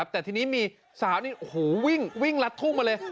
แต่ทีนี้มีสาวนี้โอ้โหวิ่งวิ่งรัดทุ่มมาเลย